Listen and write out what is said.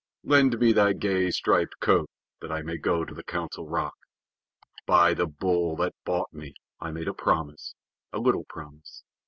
Lend me thy gay striped coat that I may go to the Council Rock. By the Bull that bought me I made a promise a little promise.